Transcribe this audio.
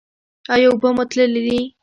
ایا اوبه مو تللې دي؟